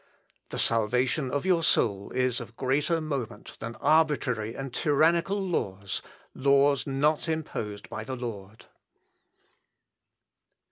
The salvation of your soul is of greater moment than arbitrary and tyrannical laws, laws not imposed by the Lord."